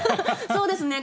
そうですね。